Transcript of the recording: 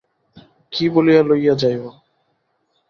কী বলিয়া লইয়া যাইব।